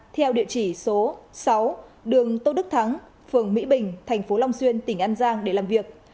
theo địa chỉ số sáu đường tôn đức thắng phường mỹ bình thành phố long xuyên tỉnh an giang để làm việc